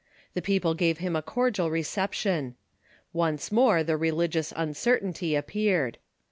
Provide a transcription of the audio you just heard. The people gave him a cordial reception. Once more the religious uncer tainty appeared.